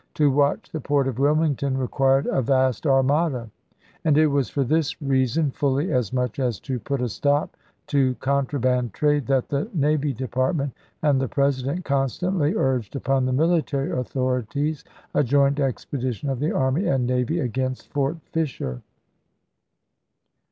To watch the port of Wilmington required a vast armada ; and it was for this reason, fully as much as to put a stop to contraband trade, that the Navy Depart ment and the President constantly urged upon the military authorities a joint expedition of the army and navy against Fort Fisher.